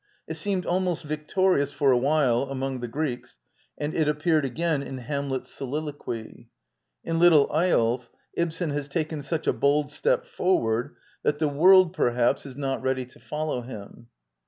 It seemed almost victorious, for a while, among thife Greeks, and it appeared again in Hamlet's solilor quy. In " Little Eyolf " Ibsen has taken such a ^ bold step forward that the world, perhaps, is not xvii d by Google INTRODUCTION «si ready to follow him.